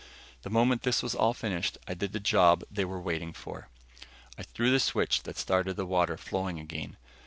The moment this was all finished, I did the job they were waiting for. I threw the switch that started the water flowing again.